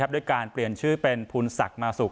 ด้วยการเปลี่ยนชื่อเป็นภูนศักดิ์มาสุก